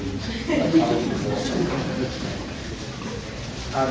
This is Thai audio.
ได้ผมไม่ว่า